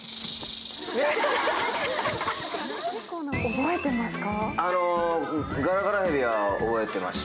覚えてますか？